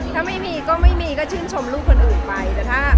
ถ้ามีมีก็ทั่วไปไม่มี